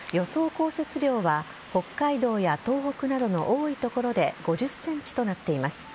降雪量は北海道や東北などの多い所で５０ｃｍとなっています。